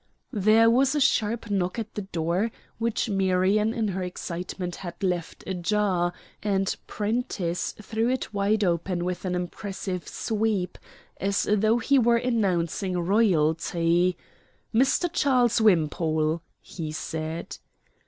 There was a sharp knock at the door, which Marion in her excitement had left ajar, and Prentiss threw it wide open with an impressive sweep, as though he were announcing royalty: "Mr. Charles Wimpole," he said.